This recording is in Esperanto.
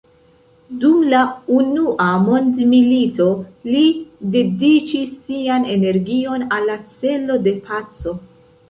Dum la Unua mondmilito li dediĉis sian energion al la celo de paco.